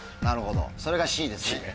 なるほどそれがＣですね。